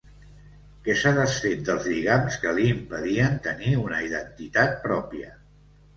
Que s'ha desfet dels lligams que li impedien tenir una identitat pròpia.